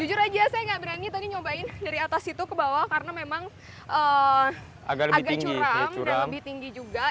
jujur aja saya nggak berani tadi nyobain dari atas itu ke bawah karena memang agak curam dan lebih tinggi juga